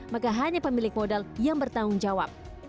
maka hanya pemilik modal yang bertanggungjawab